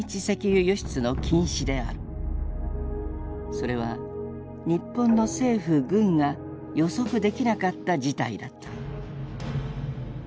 それは日本の政府軍が予測できなかった事態だった。